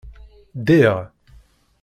Ddiɣ.